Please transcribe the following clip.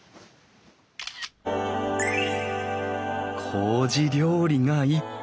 こうじ料理がいっぱい！